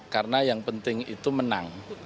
karena yang penting itu menang